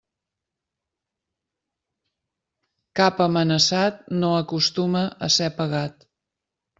Cap amenaçat, no acostuma a ser pegat.